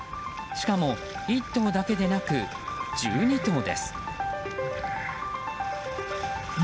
しかも１頭だけでなく１２頭です。